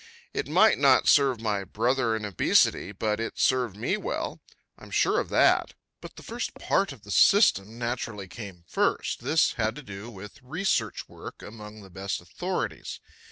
It might not serve my brother in obesity, but it served me well. I'm sure of that. But the first part of the system naturally came first. This had to do with research work among the best authorities.